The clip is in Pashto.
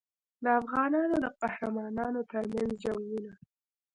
د افغانانو د قهرمانانو ترمنځ جنګونه.